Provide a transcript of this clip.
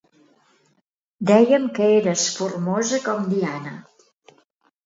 Dèiem que eres formosa com Diana.